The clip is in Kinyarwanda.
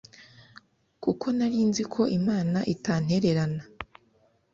kuko nari nzi ko Imana itantererana